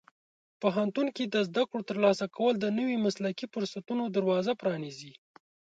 پوهنتون کې د زده کړو ترلاسه کول د نوي مسلکي فرصتونو دروازه پرانیزي.